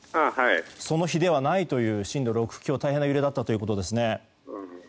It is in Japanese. その比ではないという震度６強、大変な揺れだったということですね。